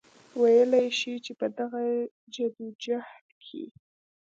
وئيلی شي چې پۀ دغه جدوجهد کې